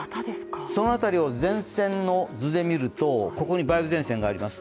その辺りを前線の図で見るとここに梅雨前線があります。